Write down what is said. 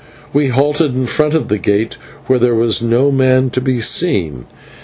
Now we halted in front of the gate, where there was no man to be seen.